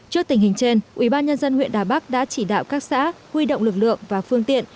trước tình hình trên ủy ban nhân dân huyện đà bắc đã chỉ đạo các xã huy động lực lượng và phương tiện